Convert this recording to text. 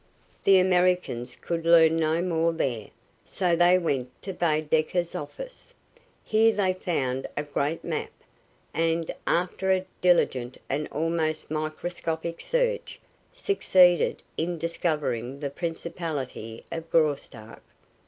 The Americans could learn no more there, so they went to Baedecker's office. Here they found a great map, and, after a diligent and almost microscopic search, succeeded in discovering the principality of Graustark.